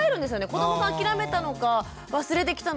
子どもが諦めたのか忘れてきたのか。